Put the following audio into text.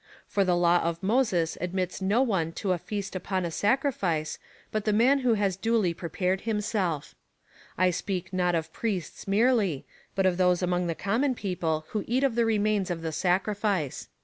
For the law of Moses admits no one to a feast ui)on a sacrifice, but the man who has duly prejjared himself I speak not of priests merely, but of those among the common people who eat of the remains of the sacrifice.